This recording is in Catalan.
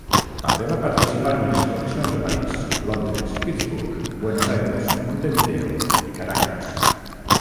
També va participar en exposicions a París, Londres, Pittsburgh, Buenos Aires, Montevideo i Caracas.